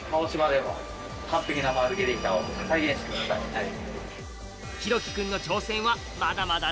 はい。